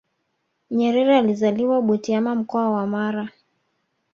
nyerere alizaliwa butiama mkoa wa mara